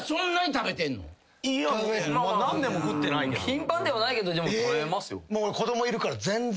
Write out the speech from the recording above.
頻繁ではないけど食べますよ。